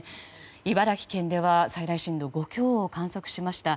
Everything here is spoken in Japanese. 茨城県では最大震度５強を観測しました。